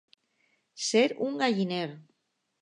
Ser un galliner.